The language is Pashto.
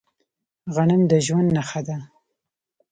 غنم د ژوند نښه ده.